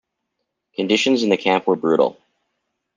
Conditions in the camp were brutal.